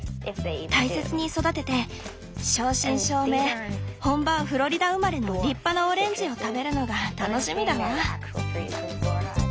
大切に育てて正真正銘本場フロリダ生まれの立派なオレンジを食べるのが楽しみだわ。